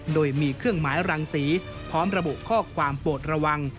โดยมีเครื่องหมายรังสีพร้อมระบุข้อความโปรดระวัง